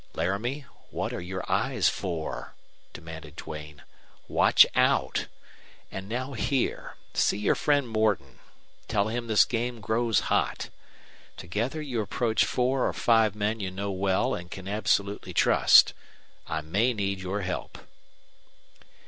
"Laramie, what are your eyes for?" demanded Duane. "Watch out. And now here. See your friend Morton. Tell him this game grows hot. Together you approach four or five men you know well and can absolutely trust. I may need your help."